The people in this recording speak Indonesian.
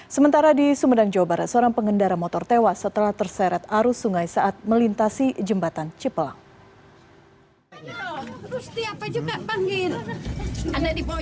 sementara di sumedang jawa barat seorang pengendara motor tewas setelah terseret arus sungai saat melintasi jembatan cipelang